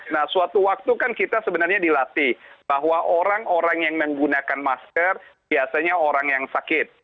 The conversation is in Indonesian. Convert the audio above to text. nah suatu waktu kan kita sebenarnya dilatih bahwa orang orang yang menggunakan masker biasanya orang yang sakit